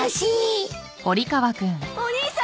お兄さん！